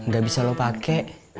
gak bisa lu pake